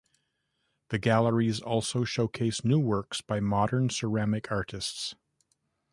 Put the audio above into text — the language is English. The galleries also showcase new works by modern ceramic artists.